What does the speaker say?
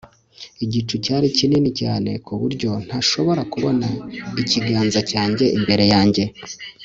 igicu cyari kinini cyane ku buryo ntashobora kubona ikiganza cyanjye imbere yanjye